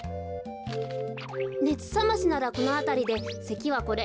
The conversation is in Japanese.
ねつさましならこのあたりでせきはこれ。